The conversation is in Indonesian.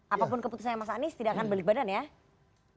apapun keputusannya mas anies tidak akan balik badan ya